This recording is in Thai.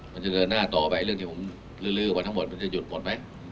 มันจะเดินหน้าต่อไปเรื่องที่ผมลื้อออกมาทั้งหมดมันจะหยุดหมดไหม